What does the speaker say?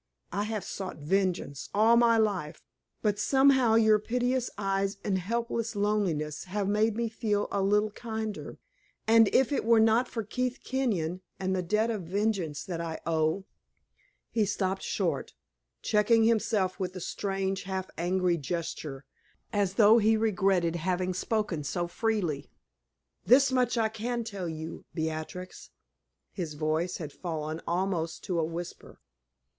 I have sought vengeance all my life, but somehow your piteous eyes and helpless loneliness have made me feel a little kinder, and if it were not for Keith Kenyon, and the debt of vengeance that I owe " He stopped short, checking himself with a strange, half angry gesture, as though he regretted having spoken so freely. "This much I can tell you, Beatrix" his voice had fallen almost to a whisper.